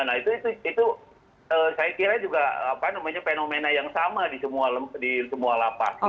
nah itu saya kira juga fenomena yang sama di semua lapas